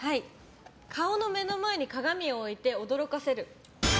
顔の目の前に鏡を置いて驚かせる。